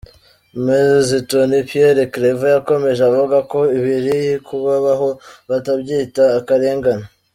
Me Zitoni Pierre Claver yakomeje avuga ko ibiri kubabaho batabyita akarengane.